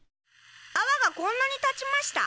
泡がこんなに立ちました。